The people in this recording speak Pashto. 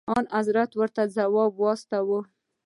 انحضرت ورته ځواب واستوه.